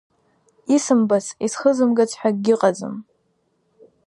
Исымбац, исхызымгац ҳәа акгьы ыҟаӡам.